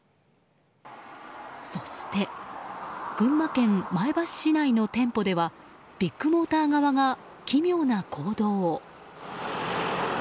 そして群馬県前橋市内の店舗ではビッグモーター側が奇妙な行動を。